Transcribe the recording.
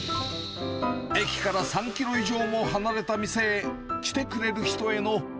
駅から３キロ以上も離れた店へ来てくれる人への。